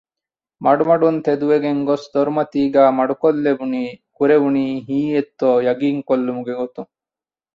މަޑުމަޑުން ތެދުވެގެންގޮސް ދޮރުމަތީގައި މަޑުކޮށްލެވުނީ ކުރެވުނީ ހީއެއްތޯ ޔަޤީންކޮށްލުމުގެ ގޮތުން